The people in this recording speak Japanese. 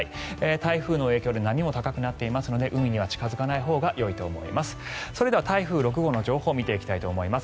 台風の影響で波も高くなっているので海には近付かないほうがよいと思います。